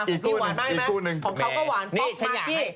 อีกกู้นึงอีกกู้นึงของเขาก็หวานฟอคมากกี้